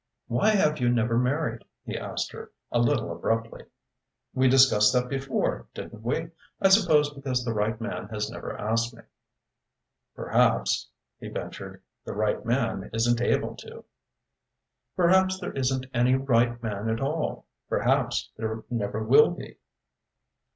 "Why have you never married?" he asked her, a little abruptly. "We discussed that before, didn't we? I suppose because the right man has never asked me." "Perhaps," he ventured, "the right man isn't able to." "Perhaps there isn't any right man at all perhaps there never will be."